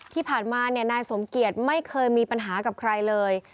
ที่ผ่านมานายสมเกียจไม่เคยมีปัญหากับใครเลย